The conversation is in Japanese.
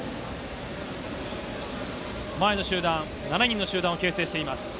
前の集団、７人の集団を形成しています。